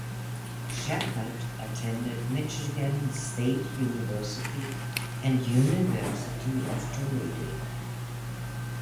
Sheppard attended Michigan State University and University of Toledo.